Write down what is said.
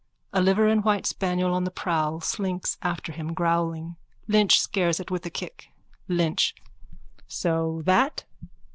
A liver and white spaniel on the prowl slinks after him, growling. Lynch scares it with a kick.)_ LYNCH: So that?